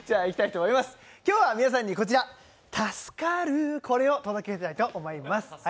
今日は皆さんにこちら、「たすかる」を届けたいと思います。